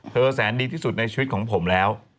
แสนดีที่สุดในชีวิตของผมแล้ว